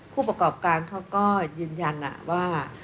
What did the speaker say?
ผู้ประกอบการเขาก็ยืนยันว่า